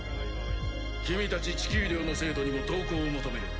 君たち地球寮の生徒にも同行を求める。